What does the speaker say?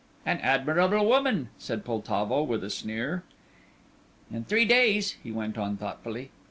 "An admirable woman," said Poltavo, with a sneer. "In three days," he went on, thoughtfully.